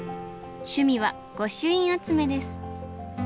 趣味は御朱印集めです。